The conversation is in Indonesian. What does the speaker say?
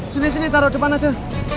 sini sini taruh depan aja